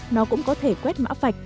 nó cũng có thể quét mã phạch